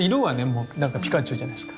もうなんかピカチュウじゃないすか。